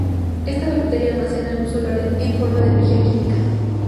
Esta bacteria almacena luz solar en forma de energía química.